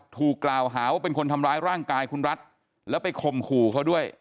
ถูกกล่าวหาว่าเป็นคนทำร้ายร่างกายคุณรัฐแล้วไปข่มขู่เขาด้วย